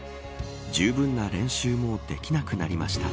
じゅうぶんな練習もできなくなりました。